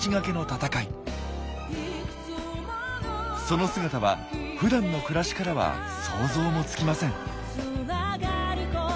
その姿はふだんの暮らしからは想像もつきません。